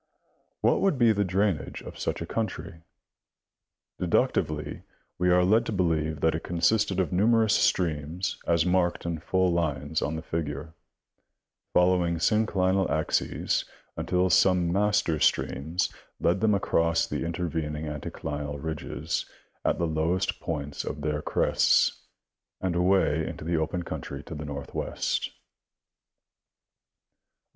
What would be the drainage of such a country ? Deductively we are led to believe that it consisted of numerous streams as marked in full lines on the figure, following synclinal axes until some master streams led them across the intervening anticlinal ridges at the lowest points of their crests and away into the open country to the northwest.